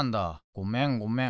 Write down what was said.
ごめんごめん。